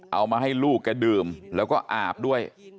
เอามาให้ลูกแกดื่มแล้วก็อาบด้วย